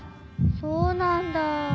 そうなんだ。